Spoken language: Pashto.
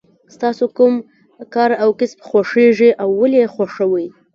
ستاسو کوم کار او کسب خوښیږي او ولې یې خوښوئ.